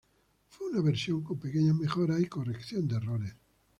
Fue una versión con pequeñas mejoras y corrección de errores.